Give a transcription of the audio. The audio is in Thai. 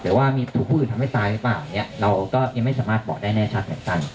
หรือว่ามีผู้ผู้ทำให้ตายหรือเปล่าอย่างนี้เราก็ยังไม่สามารถบอกได้แน่ชัดแน่กัน